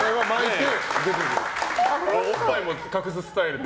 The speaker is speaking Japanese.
おっぱいも隠すスタイルで。